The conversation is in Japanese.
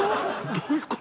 どういうこと？